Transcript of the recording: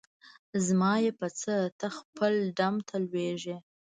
زما یی په څه؟ ته خپله ډم ته لویږي.